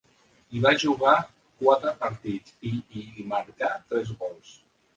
Hi va jugar quatre partits i hi marcà tres gols.